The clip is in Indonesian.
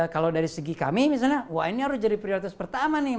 kalau dari segi kami misalnya wah ini harus jadi prioritas pertama nih